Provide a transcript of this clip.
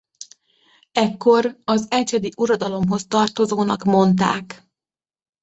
Ekkor az Ecsedi uradalomhoz tartozónak mondták.